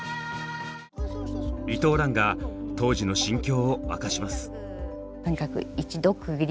伊藤蘭が当時の心境を明かします。